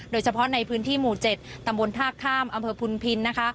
โดยเฉพาะในพื้นที่หมู่๗ตำบลท่าข้ามอำเภอพุนพินนะคะ